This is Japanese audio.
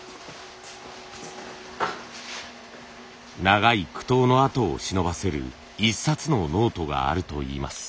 長い苦闘の跡をしのばせる一冊のノートがあるといいます。